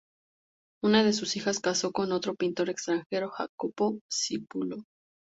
Una de sus hijas casó con otro pintor extranjero, Jacopo Sículo.